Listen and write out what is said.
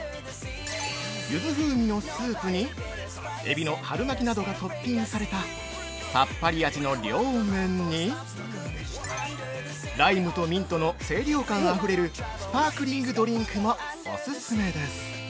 ゆず風味のスープにエビの春巻きなどがトッピングされたさっぱり味の涼麺にライムとミントの清涼感あふれるスパークリングドリンクもお勧めです。